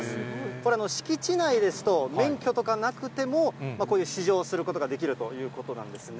これ、敷地内ですと、免許とかなくても、こういう試乗をすることができるということなんですね。